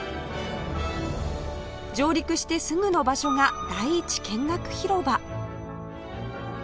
上陸してすぐの場所が第１見学広場